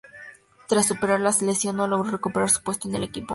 Tras superar la lesión, no logró recuperar su puesto en el equipo.